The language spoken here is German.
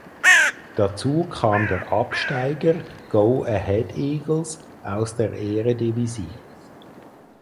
Dazu kam der Absteiger Go Ahead Eagles aus der Eredivisie.